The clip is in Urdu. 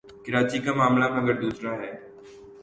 کراچی کا معاملہ مگر دوسرا ہے۔